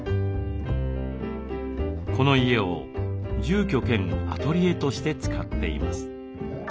この家を住居兼アトリエとして使っています。